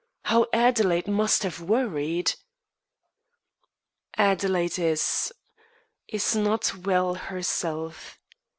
How Adelaide must have worried." "Adelaide is is not well herself.